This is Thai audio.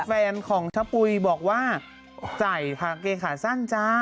แฟนของชะปุ้ยบอกว่าใจจากใกล้ขันจ๊ะ